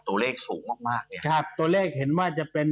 ตัวเลขสูงมากเนี่ย